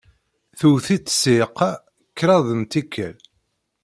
Twet-itt ssiɛqa kraḍt n tikkal.